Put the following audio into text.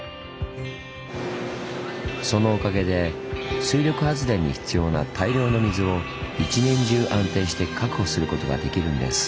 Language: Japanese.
そのおかげで水力発電に必要な大量の水を１年中安定して確保することができるんです。